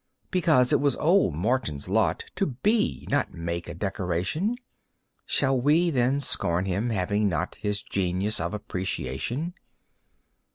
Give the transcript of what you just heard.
Because it was old Martin's lot To be, not make, a decoration, Shall we then scorn him, having not His genius of appreciation?